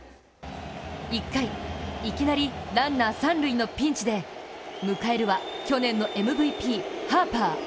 １回、いきなりランナーが三塁のピンチで迎えるは、去年のＭＶＰ、ハーパー。